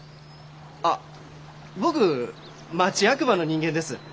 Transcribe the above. あ僕町役場の人間です。